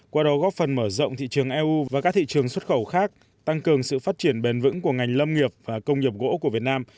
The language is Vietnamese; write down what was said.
qua đó góp phần mở rộng thị trường eu và các thị trường xuất khẩu khác tăng cường sự phát triển bền vững của ngành lâm nghiệp và công nghiệp gỗ của việt nam